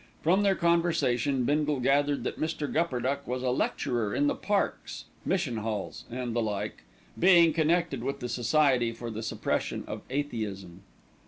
From their conversation Bindle gathered that Mr. Gupperduck was a lecturer in the parks, mission halls and the like, being connected with the Society for the Suppression of Atheism.